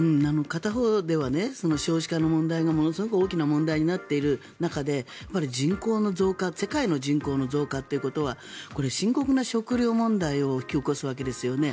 片方では少子化の問題がものすごく大きな問題になっている中で人口の増加、世界の人口の増加ということはこれ、深刻な食糧問題を引き起こすわけですよね。